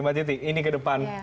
mbak titi ini ke depan